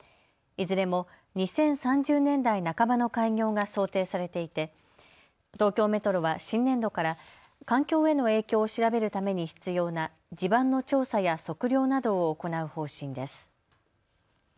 いずれも２０３０年代半ばの開業が想定されていて東京メトロは新年度から環境への影響を調べるために必要な地盤の調査や測量などを行う方針です。